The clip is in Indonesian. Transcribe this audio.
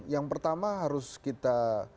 yang pertama harus kita